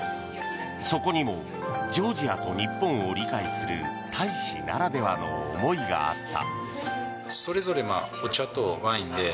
そこにも、ジョージアと日本を理解する大使ならではの思いがあった。